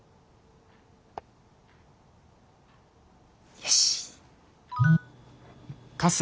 よし！